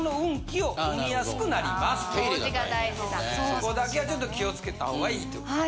そこだけはちょっと気を付けた方がいいということ。